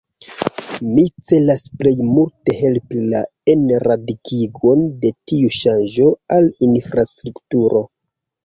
Mi celas plej multe helpi la enradikigon de tiu ŝanĝo al infrastrukturo.